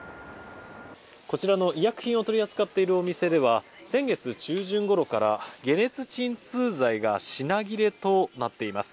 こちらの医薬品を取り扱っているお店では先月中旬ごろから解熱鎮痛剤が品切れとなっています。